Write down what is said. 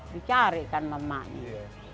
dicarikan sama emaknya